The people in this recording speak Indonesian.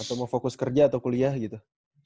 atau mau fokus kerja atau kuliah gitu